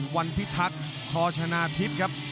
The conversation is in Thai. วันพิทักษ์ชชนะทิพย์ครับ